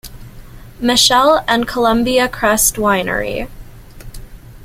Michelle, and Columbia Crest Winery.